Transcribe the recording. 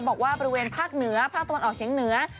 บอกว่าบริเวณภาคเหนือภาคตะวันออกเฉียงเหนือ